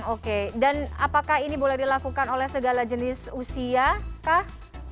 oke dan apakah ini boleh dilakukan oleh segala jenis usia kah